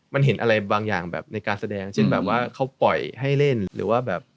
มันเห็นอะไรบางอย่างแบบในการแสดงเช่นแบบว่าเขาปล่อยให้เล่นหรือว่าแบบ